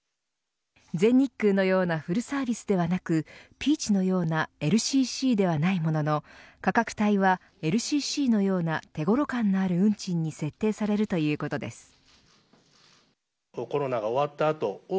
全日空のようなフルサービスではなくピーチのようなＬＣＣではないものの価格帯はＬＣＣのような手頃感のある運賃に設定されるということです。